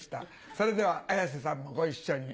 それでは綾瀬さんもご一緒に。